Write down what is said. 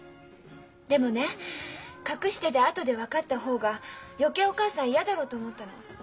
でもね隠しててあとで分かった方が余計お母さん嫌だろうと思ったの。